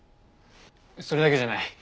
それだけじゃない。